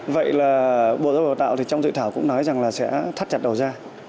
vậy là bộ giáo hội tạo trong dự thảo cũng nói rằng là sẽ thắt chặt đầu ra